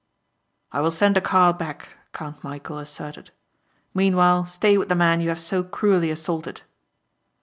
"I will send a car back," Count Michæl asserted, "meanwhile stay with the man you have so cruelly assaulted."